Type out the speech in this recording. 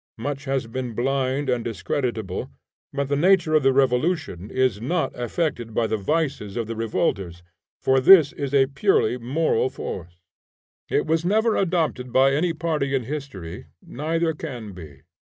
Much has been blind and discreditable, but the nature of the revolution is not affected by the vices of the revolters; for this is a purely moral force. It was never adopted by any party in history, neither can be.